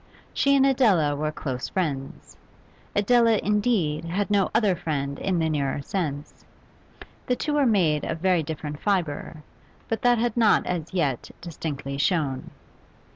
She and Adela were close friends; Adela indeed, had no other friend in the nearer sense. The two were made of very different fibre, but that had not as yet distinctly shown.